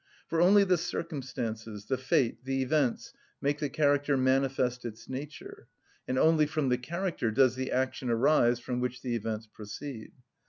For only the circumstances, the fate, the events, make the character manifest its nature, and only from the character does the action arise from which the events proceed.